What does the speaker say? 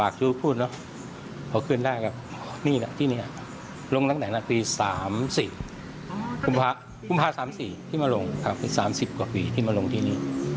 กุมภา๓๔ที่มาลงคือ๓๐กว่าปีที่มาลงที่นี่